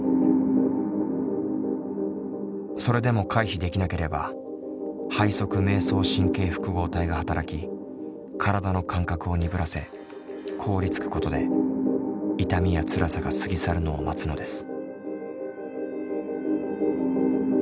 それでも回避できなければ背側迷走神経複合体が働き体の感覚を鈍らせ凍りつくことで痛みやつらさが過ぎ去るのを待つのです。